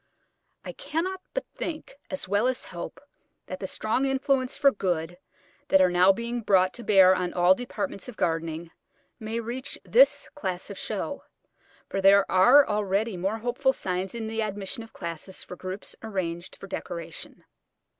I cannot but think, as well as hope, that the strong influences for good that are now being brought to bear on all departments of gardening may reach this class of show, for there are already more hopeful signs in the admission of classes for groups arranged for decoration.